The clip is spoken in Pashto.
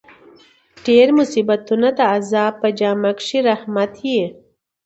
ډېر مصیبتونه د عذاب په جامه کښي رحمت يي.